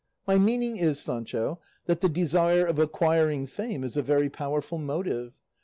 My meaning is, Sancho, that the desire of acquiring fame is a very powerful motive.